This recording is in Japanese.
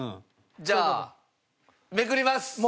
じゃあめくります！